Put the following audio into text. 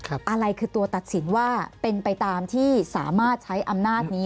อะไรคือตัวตัดสินว่าเป็นไปตามที่สามารถใช้อำนาจนี้